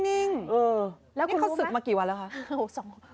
นี่เขาสึกมากี่วันแล้วคะ